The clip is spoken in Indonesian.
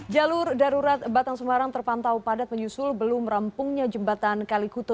jalur darurat batang semarang terpantau padat menyusul belum rampungnya jembatan kalikuto